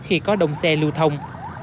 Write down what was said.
khi có đông xe lưu thông